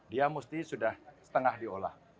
dia mesti sudah setengah diolah